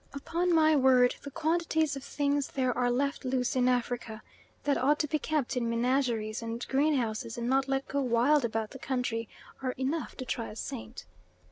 Upon my word, the quantities of things there are left loose in Africa, that ought to be kept in menageries and greenhouses and not let go wild about the country, are enough to try a Saint.